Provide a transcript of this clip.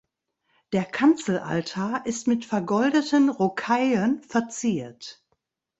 Der Kanzelaltar ist mit vergoldeten Rocaillen verziert.